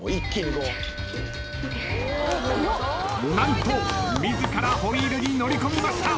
何と自らホイールに乗り込みました。